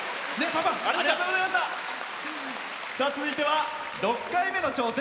続いては６回目の挑戦。